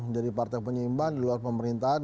menjadi partai penyimpanan di luar pemerintahan